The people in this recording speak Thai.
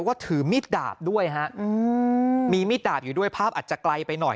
ก็ถือมีดดาบด้วยฮะมีมีดดาบอยู่ด้วยภาพอาจจะไกลไปหน่อย